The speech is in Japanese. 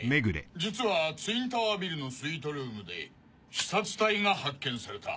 実はツインタワービルのスイートルームで刺殺体が発見された。